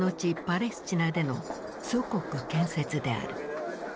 パレスチナでの祖国建設である。